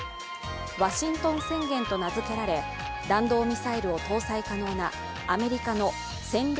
ワシントン宣言と名付けられ、弾道ミサイルを搭載可能なアメリカの戦略